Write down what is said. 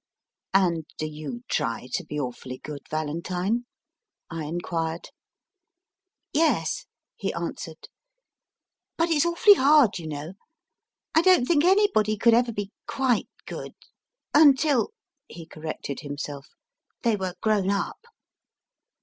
And do you try to be awfully good, Valentine ? I enquired. Yes, he answered ; but it s awfully hard, you know. I don t think anybody could ever be quite good until, he corrected himself, they were grown up.